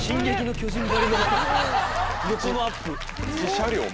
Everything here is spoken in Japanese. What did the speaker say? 横のアップ。